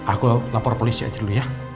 aku lapor polisi aja dulu ya